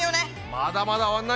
まだまだ終わんないね！